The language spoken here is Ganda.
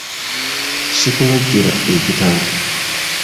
Sikulojjera ekitalo!